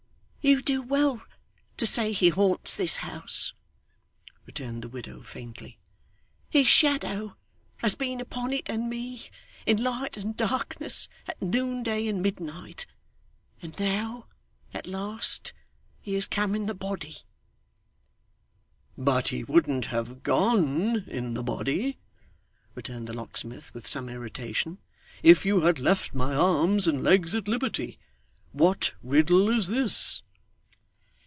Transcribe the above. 'You do well to say he haunts this house,' returned the widow, faintly. 'His shadow has been upon it and me, in light and darkness, at noonday and midnight. And now, at last, he has come in the body!' 'But he wouldn't have gone in the body,' returned the locksmith with some irritation, 'if you had left my arms and legs at liberty. What riddle is this?